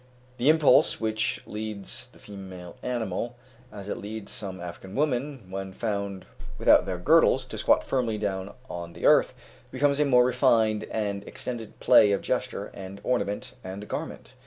The impulse which leads the female animal, as it leads some African women when found without their girdles, to squat firmly down on the earth, becomes a more refined and extended play of gesture and ornament and garment.